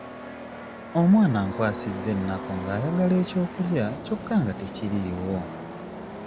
Omwana ankwasizza ennaku ng'ayagala eky'okulya kyokka nga tekiriiwo.